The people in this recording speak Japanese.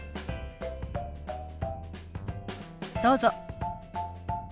どうぞ。